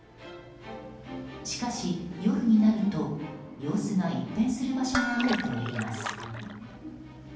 しかし夜になると様子が一変する場所があるといいます。